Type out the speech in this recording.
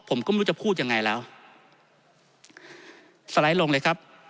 ผมก็ไม่รู้จะพูดยังไงแล้วสไลด์ลงเลยครับ